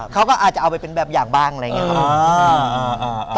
เขาก็อาจจะเอาไปเป็นแบบอย่างบ้างอะไรอย่างนี้ครับ